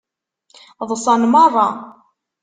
Ḍṣan meṛṛa.